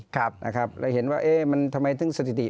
ครับนะครับแล้วเห็นว่าเอ๊ะมันทำไมถึงสถิติ